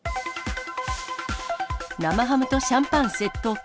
生ハムとシャンパン窃盗か。